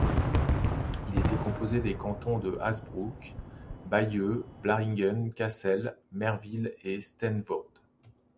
Il était composé des cantons de Hazebrouck, Bailleul, Blaringhem, Cassel, Merville et Steenvoorde.